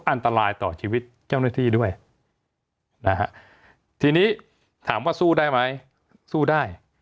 อันตรายต่อชีวิตเจ้าหน้าที่ด้วยนะฮะทีนี้ถามว่าสู้ได้ไหมสู้ได้